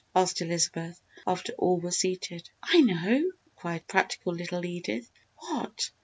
asked Elizabeth after all were seated. "I know!" cried practical little Edith. "What?"